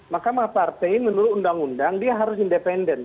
mahkamah partai menurut undang undang dia harus independen